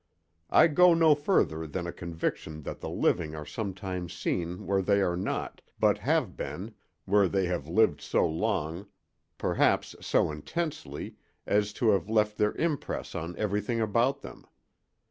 I go no further than a conviction that the living are sometimes seen where they are not, but have been—where they have lived so long, perhaps so intensely, as to have left their impress on everything about them.